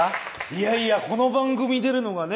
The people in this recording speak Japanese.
いやいやこの番組出るのがね